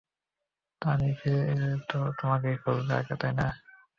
তানি ফিরে এলে তো তোমাকেই খুঁজবে আগে, তাই না?